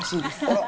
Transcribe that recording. あら！